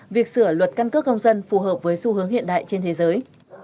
việc sửa luật căn cước công dân phù hợp với xu hướng hiện đại trên thế giới